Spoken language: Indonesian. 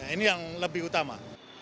ini yang lebih utama